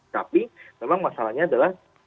tapi memang masalahnya adalah